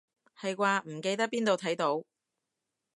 係啩，唔記得邊度睇到